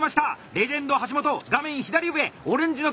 レジェンド橋本画面左上オレンジの紙！